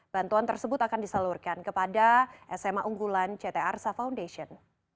bantuan tersebut akan disalurkan kepada sma unggulan ct arsa foundation